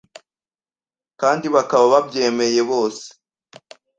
kandi bakaba babyemeye bose